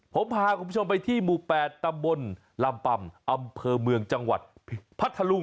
ผมพาคุณผู้ชมไปที่หมู่๘ตำบลลำปำอำเภอเมืองจังหวัดพัทธลุง